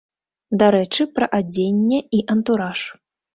Дарэчы, пра адзенне і антураж.